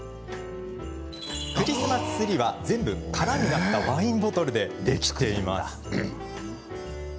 クリスマスツリーは全部空になったワインボトルでできています。